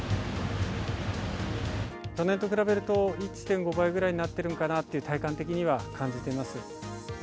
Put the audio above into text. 去年と比べると、１．５倍くらいになっているかなと、体感的には感じています。